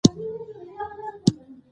سړی د ناکامۍ نه تجربه اخلي